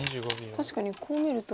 確かにこう見ると。